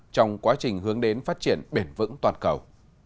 trong quá trình hướng đến phát triển bền vững toàn cầu